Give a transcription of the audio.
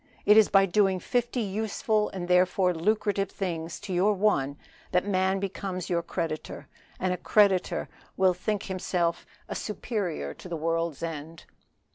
It is by doing fifty useful and therefore lucrative things to your one that man becomes your creditor, and a creditor will be a superior to the world's end.